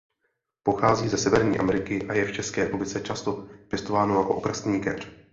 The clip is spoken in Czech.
Pochází ze Severní Ameriky a je v České republice často pěstována jako okrasný keř.